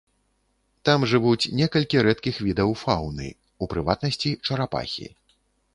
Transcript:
Там жывуць некалькі рэдкіх відаў фаўны, у прыватнасці чарапахі.